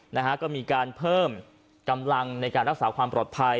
นะฮะก็มีการเพิ่มกำลังในการรักษาความปลอดภัย